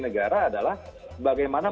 negara adalah bagaimana